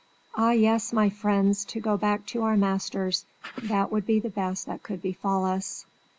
Ah, yes, my friends, to go back to our masters! that would be the best that could befall us.